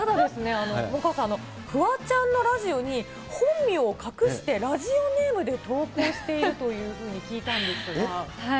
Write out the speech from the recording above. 萌歌さん、フワちゃんのラジオに、本名を隠して、ラジオネームで投稿しているというふうに聞いたんですが。